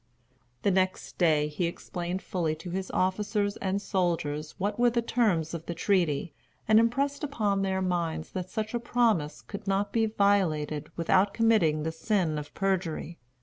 The next day, he explained fully to his officers and soldiers what were the terms of the treaty, and impressed upon their minds that such a promise could not be violated without committing the sin of perjury.